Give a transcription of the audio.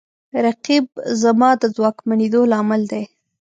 رقیب زما د ځواکمنېدو لامل دی